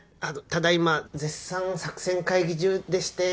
ただいま絶賛作戦会議中でして。